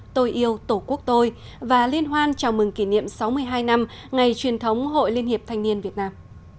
tôi yêu tổ quốc tôi và liên hoan chào mừng kỷ niệm sáu mươi hai năm ngày truyền thống hội liên hiệp thanh niên việt nam